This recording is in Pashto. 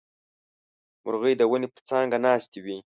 مرغۍ د ونې پر څانګه ناستې وې.